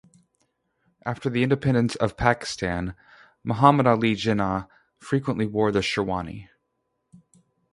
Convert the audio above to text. After the independence of Pakistan, Mohammad Ali Jinnah frequently wore the sherwani.